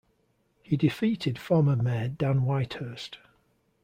He defeated former Mayor Dan Whitehurst.